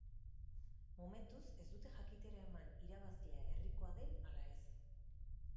Momentuz ez dute jakitera eman irabazlea herrikoa den ala ez.